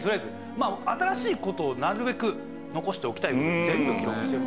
まあ新しい事をなるべく残しておきたい事を全部記録してる。